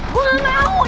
gue gak mau